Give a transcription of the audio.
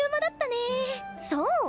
そう？